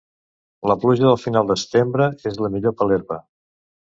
La pluja del final de setembre és la millor per l'herba.